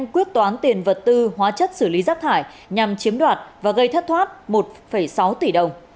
quyết toán tiền vật tư hóa chất xử lý rác thải nhằm chiếm đoạt và gây thất thoát một sáu tỷ đồng